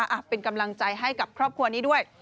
อ่ะเป็นกำลังใจให้กับครอบครัวนี้ด้วย